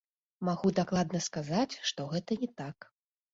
Магу дакладна сказаць, што гэта не так.